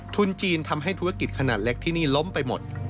ทุนจีนทำให้ธุรกิจขนาดเล็กที่นี่ล้มไปหมด